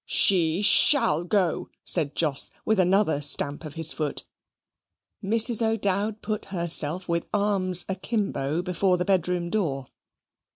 "She SHALL go," said Jos, with another stamp of his foot. Mrs. O'Dowd put herself with arms akimbo before the bedroom door.